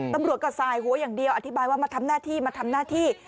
ตำรวจก็สายหัวอย่างเดียวอธิบายว่ามาทำหน้าที่